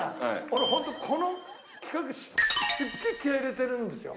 俺ホントこの企画すっげえ気合入れてるんですよ。